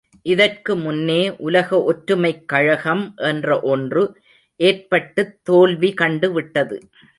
இதற்கு முன்னே உலக ஒற்றுமைக் கழகம் என்ற ஒன்று ஏற்பட்டுத் தோல்வி கண்டுவிட்டது.